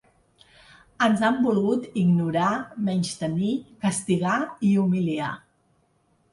Ens han volgut ignorar, menystenir, castigar i humiliar.